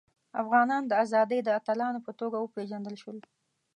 افغانان د ازادۍ د اتلانو په توګه وپيژندل شول.